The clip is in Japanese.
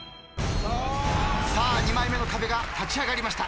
さあ２枚目の壁が立ち上がりました。